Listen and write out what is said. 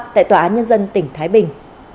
tại tòa án nhân dân tỉnh thái bình